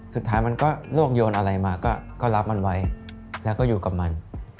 สุดท้ายมันก็โลกโยนอะไรมาก็รับมันไว้แล้วก็อยู่กับมัน